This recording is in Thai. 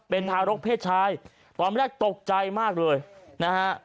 เป็นทารกเพศชายตอนแรกตกใจมากเลยนะฮะ